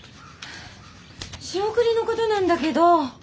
仕送りのことなんだけど。